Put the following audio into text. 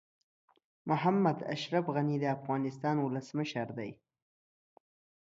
محمد اشرف غني د افغانستان ولسمشر دي.